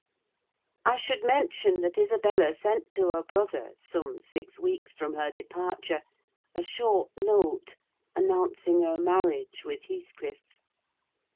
I should mention that Isabella sent to her brother, some six weeks from her departure, a short note, announcing her marriage with Heathcliff.